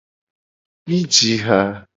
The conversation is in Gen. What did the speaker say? Mi ji ha.